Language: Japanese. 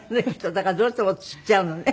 だからどうしてもつっちゃうのね。